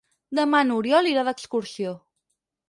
Demà n'Oriol irà d'excursió.